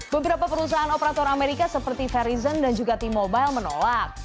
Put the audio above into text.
beberapa perusahaan operator amerika seperti verizon dan juga t mobile menolak